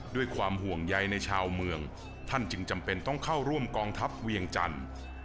ด้วยความห่วงใยในชาวเมืองท่านจึงจำเป็นต้องเข้าร่วมกองทัพเวียงจันทร์